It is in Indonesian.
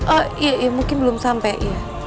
eh ya ya mungkin belum sampai ya